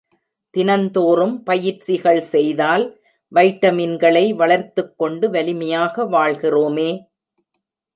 தினந்தோறும் பயிற்சிகள் செய்தால், வைட்டமின்களை வளர்த்துக்கொண்டு, வலிமையாக வாழ்கிறோமே!